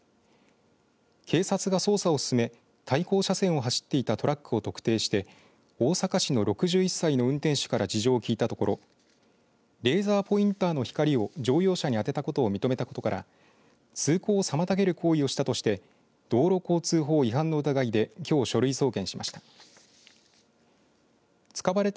警察が捜査を進め対向車線を走っていたトラックを特定して大阪市の６１歳の運転手から事情を聴いたところレーザーポインターの光を乗用車にあてたことを認めたことから通行を妨げる行為をしたとして道路交通法違反の疑いできょう書類送検しました。